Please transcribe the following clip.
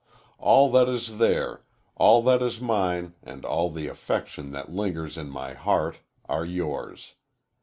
All that is there, all that is mine and all the affection that lingers in my heart, are yours.